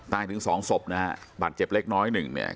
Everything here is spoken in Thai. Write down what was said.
ใต้ถึง๒ศพนะครับบัตรเจ็บเล็กน้อยหนึ่งเนี่ย